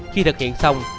khi thực hiện xong